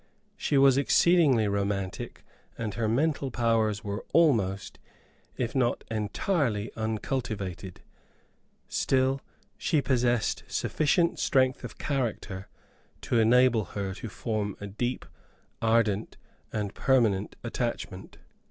She was exceedingly romantic, and her mental powers were almost, if not entirely uncultivated; still, she possessed sufficient strength of character to enable her to form a deep, ardent, and permanent attachment.